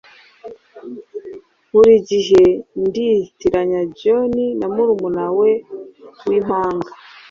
Buri gihe nditiranya John na murumuna we wimpanga